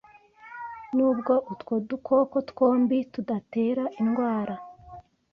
Nubwo utwo dukoko twombi tudatera indwara